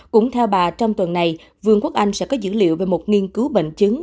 cũng theo bà trong tuần này vương quốc anh sẽ có dữ liệu về một nghiên cứu bệnh chứng